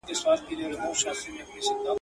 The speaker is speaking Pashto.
څه شڼهار د مرغلينو اوبو.